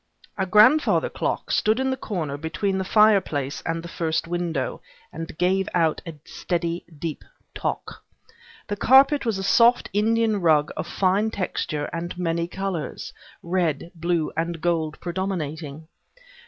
A grandfather clock stood in the corner between the fireplace and the first window, and gave out a steady deep tock. The carpet was a soft Indian rug of fine texture and many colors, red, blue, and gold predominating.